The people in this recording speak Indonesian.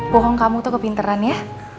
bohong kamu tuh kepinteran ya